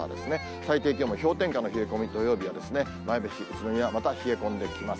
最低気温も氷点下の冷え込み、土曜日は前橋、宇都宮、また冷え込んできます。